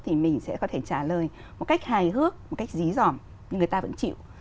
thì mình sẽ có thể trả lời một cách hài hước một cách dí dỏm nhưng người ta vẫn chịu